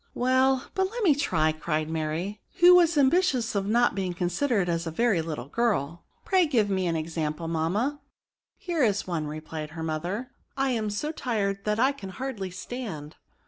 " Well, but let me try," cried Mary, who was ambitious of not being considered as a SOO DEMONSTRATIVE FAOKOUNS. very little girl. " Pray give me an example^ mamma ?"" Here is one," replied her mother :'* I am so tired that I can hardly stand.